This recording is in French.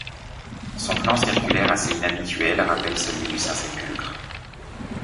Son plan circulaire assez inhabituel rappelle celui du Saint-Sépulcre.